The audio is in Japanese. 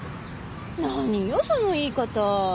何よその言い方。